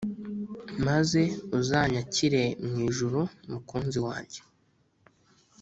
Maze uzanyakire mu ijuru mukunzi wanjye